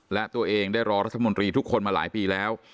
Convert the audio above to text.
และตัวเองได้รอรัฐมนตรีทุกคนมาหลายปีแล้ว